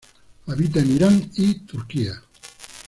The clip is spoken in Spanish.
Habita en Irán y Turquía.